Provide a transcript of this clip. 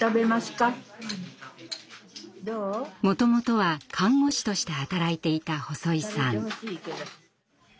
もともとは看護師として働いていた細井さん。